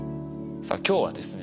さあ今日はですね